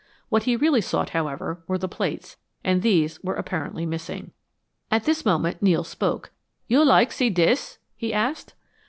What he really sought, however, were the plates, and these were apparently missing. At this moment Nels spoke. "You like to see dis?" he asked.